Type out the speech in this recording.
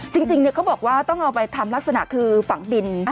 จริงเขาบอกว่าต้องเอาไปทำลักษณะคือฝังดิน